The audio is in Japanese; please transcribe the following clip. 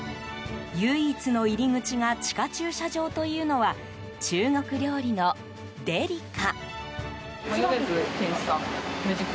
唯一の入口が地下駐車場というのは中国料理の帝里加。